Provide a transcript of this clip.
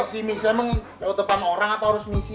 misi misi emang lewat depan orang apa harus misi